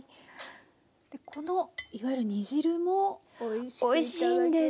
このいわゆる煮汁もおいしいんです。